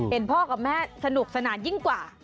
พ่อกับแม่สนุกสนานยิ่งกว่า